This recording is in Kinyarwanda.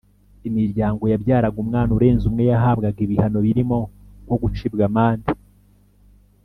Imiryango yabyaraga umwana urenze umwe yahabwaga ibihano birimo nko gucibwa amande